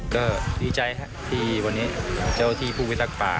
ก็ดีใจครับที่วันนี้เจ้าที่ผู้พิทักษ์ป่า